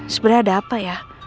sebenernya ada apa ya